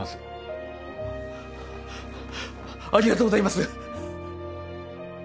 ありがとうございます！